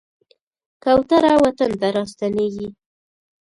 کوتره وطن ته راستنېږي.